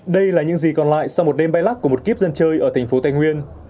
đây là những gì còn lại sau một đêm bay lắc của một kiếp dân chơi ở tp thái nguyên